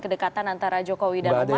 kedekatan antara jokowi dan umat apa apa